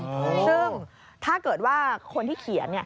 ซึ่งถ้าเกิดว่าคนที่เขียน